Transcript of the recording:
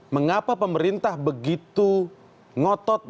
mengapa pemerintah begitu ngotot